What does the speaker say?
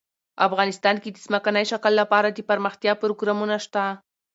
افغانستان کې د ځمکنی شکل لپاره دپرمختیا پروګرامونه شته.